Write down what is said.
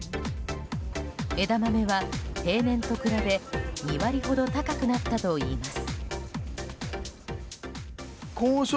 枝豆は平年と比べ２割ほど高くなったといいます。